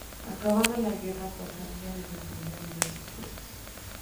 Acabada la guerra, pasaría a desempeñar diversos puestos.